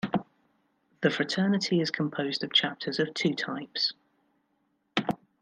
The fraternity is composed of chapters of two types.